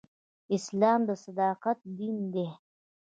اسلام د صداقت دین دی.